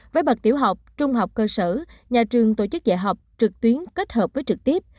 với bậc tiểu học trung học cơ sở nhà trường tổ chức dạy học trực tuyến kết hợp với trực tiếp